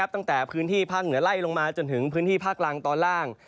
ตั้งแต่พื้นที่ภาคเหนือไล่ลงมาจนถึงพื้นที่ภาคล่างตอนล่าง